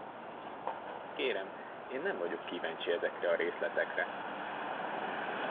Kérem, én nem vagyok kíváncsi ezekre a részletekre!